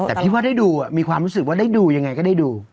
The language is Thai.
แต่พี่ว่าได้ดูมีความรู้สึกว่าได้ดูยังไงก็ได้ดู